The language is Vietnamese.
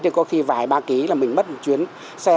thì có khi vài ba ký là mình mất một chuyến xe